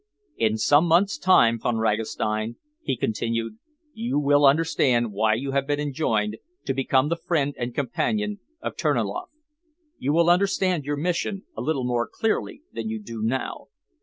"In some months' time, Von Ragastein," he continued, "you will understand why you have been enjoined to become the friend and companion of Terniloff. You will understand your mission a little more clearly than you do now.